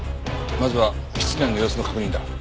まずは室内の様子の確認だ。